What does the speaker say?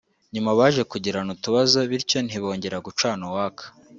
nyuma baje kugirana utubazo bityo ntibongera gucana uwaka